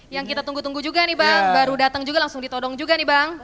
yang kita tunggu tunggu juga nih bang baru datang juga langsung ditodong juga nih bang